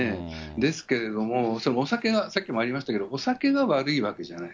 ですけれども、お酒が、さっきもありましたけど、お酒が悪いわけじゃない。